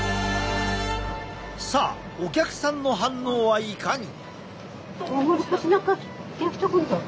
さあお客さんの反応はいかに？